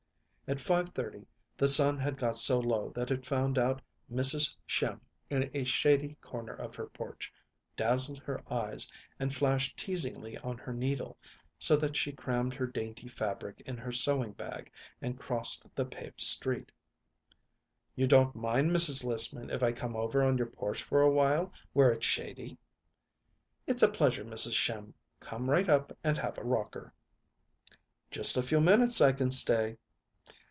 At five thirty the sun had got so low that it found out Mrs. Schimm in a shady corner of her porch, dazzled her eyes, and flashed teasingly on her needle, so that she crammed her dainty fabric in her sewing bag and crossed the paved street. "You don't mind, Mrs. Lissman, if I come over on your porch for a while, where it's shady?" "It's a pleasure, Mrs. Schimm. Come right up and have a rocker." "Just a few minutes I can stay."